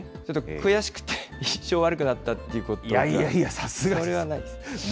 悔しくて、印象悪くなったということは、それはないですか。